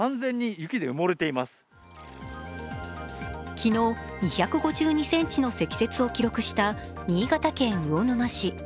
昨日、２５２ｃｍの積雪を記録した新潟県魚沼市。